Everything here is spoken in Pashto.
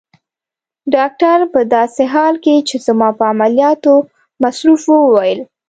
ډاکټر په داسې حال کې چي زما په عملیاتو مصروف وو وویل.